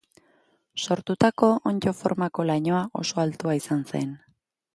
Sortutako onddo formako lainoa oso altua izan zen.